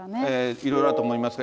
いろいろあると思いますが。